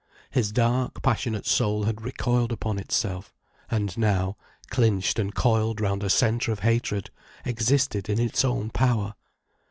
His dark, passionate soul had recoiled upon itself, and now, clinched and coiled round a centre of hatred, existed in its own power.